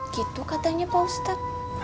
gitu katanya pak ustadz